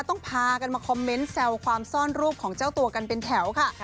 ต้องพากันมาคอมเมนต์แซวความซ่อนรูปของเจ้าตัวกันเป็นแถวค่ะ